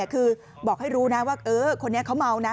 คือบอกให้รู้นะว่าคนนี้เขาเมานะ